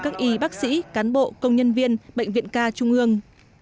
các y bác sĩ cán bộ công nhân viên bệnh viện ca trung ương